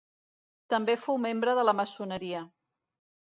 També fou membre de la maçoneria.